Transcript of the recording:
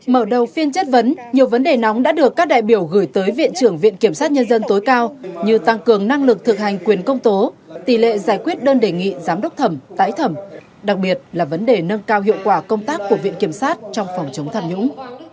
mở đầu phiên chất vấn nhiều vấn đề nóng đã được các đại biểu gửi tới viện trưởng viện kiểm sát nhân dân tối cao như tăng cường năng lực thực hành quyền công tố tỷ lệ giải quyết đơn đề nghị giám đốc thẩm tái thẩm đặc biệt là vấn đề nâng cao hiệu quả công tác của viện kiểm sát trong phòng chống tham nhũng